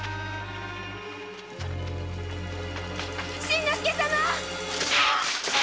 真之介様。